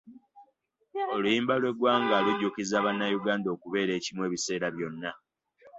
Oluyimba lw'eggwanga lujjukiza bannayuganda okubeera ekimu ebiseera byonna.